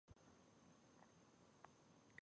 د سیاسي ګوندونو فعال غړي ځوانان دي.